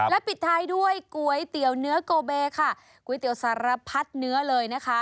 และปิดท้ายด้วยก๋วยเตี๋ยวเนื้อโกเบค่ะก๋วยเตี๋ยวสารพัดเนื้อเลยนะคะ